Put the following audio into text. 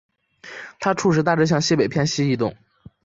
它初时大致向西北偏西移动。